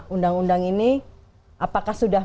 undang undang ini apakah sudah